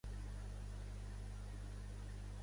Amb l'esclat de la insurrecció franquista va ser empresonat.